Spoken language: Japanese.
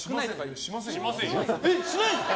えっ、しないんですか？